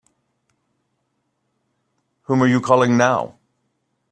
Whom are you calling now?